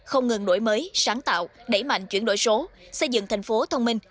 không ngừng đổi mới sáng tạo đẩy mạnh chuyển đổi số xây dựng thành phố thông minh